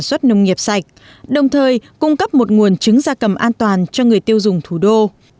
phát triển sản xuất nông nghiệp sạch đồng thời cung cấp một nguồn trứng ra cầm an toàn cho người tiêu dùng thủ đô